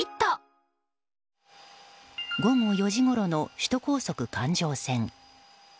午後４時ごろの首都高速環状線。